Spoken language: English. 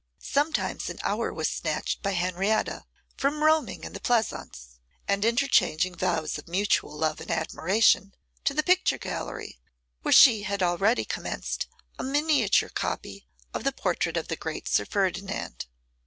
Sometimes an hour was snatched by Henrietta from roaming in the pleasaunce, and interchanging vows of mutual love and admiration, to the picture gallery, where she had already commenced a miniature copy of the portrait of the great Sir Ferdinand.